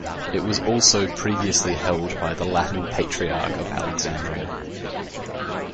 It was also previously held by the Latin Patriarch of Alexandria.